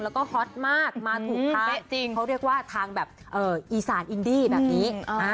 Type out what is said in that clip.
แล้วก็ฮอตมากมาถูกทางจริงเขาเรียกว่าทางแบบอีสานอินดี้แบบนี้